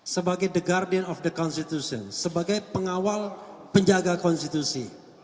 sebagai the guardian of the constitution sebagai pengawal penjaga konstitusi